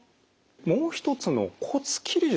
もう一つの骨切り術。